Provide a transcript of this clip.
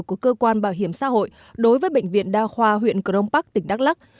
của cơ quan bảo hiểm xã hội đối với bệnh viện đa khoa huyện grom park tỉnh đắk lắk